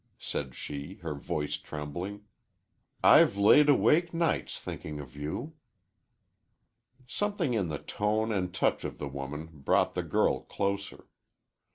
said she, her voice trembling. "I've laid awake nights thinkin' of you." Something in the tone and touch of the woman brought the girl closer.